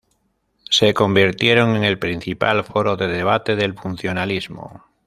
Se convirtieron en el principal foro de debate del funcionalismo.